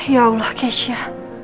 ya allah keisha